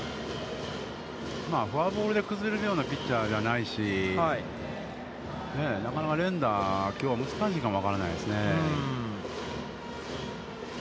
フォアボールで崩れるようなピッチャーじゃないし、なかなか連打きょうは難しいかも分からないですね。